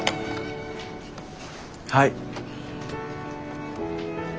はい。